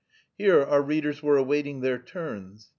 Here our readers were awaiting their turns.